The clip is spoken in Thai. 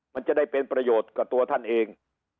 มันจะได้เป็นประโยชน์กับตัวท่านเอง